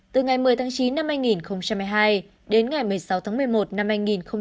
từ ngày một mươi tháng chín năm hai nghìn một mươi hai đến ngày một mươi sáu tháng một mươi một năm hai nghìn một mươi hai